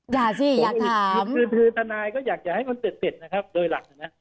อย่าสิอยากถามคือถือทนายก็อยากจะให้คนเต็ดเต็ดนะครับโดยหลักนะฮะ